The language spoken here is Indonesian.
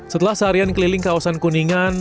setelah seharian keliling kawasan kuningan